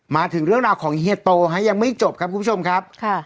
มาถึงเรื่องราวของเฮียโตฮะยังไม่จบครับคุณผู้ชมครับ